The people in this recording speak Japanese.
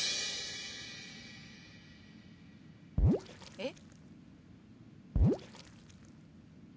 えっ？